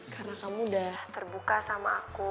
karena kamu udah terbuka sama aku